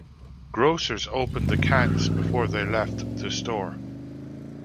Grocers opened the cans before they left the store.